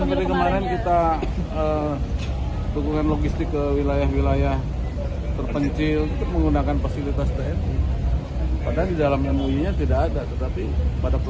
ya seperti kemarin kita dukungan logistik ke wilayah wilayah terpencil